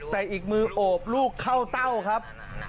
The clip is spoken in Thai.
แต่อีกมือโอบลูกเข้าเต้าครับ